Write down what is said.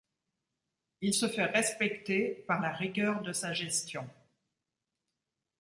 Il se fait respecter par la rigueur de sa gestion.